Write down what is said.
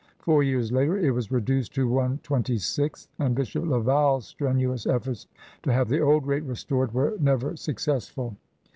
Four years later it was reduced to one twenty sixth, and Bishop Laval's strenuous efforts to have the old rate restored were never successful.